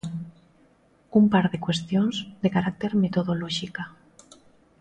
Un par de cuestións de carácter metodolóxica.